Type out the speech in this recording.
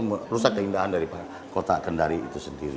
merusak keindahan dari kota kendari itu sendiri